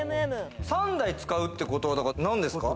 ３台使うってことは何ですか？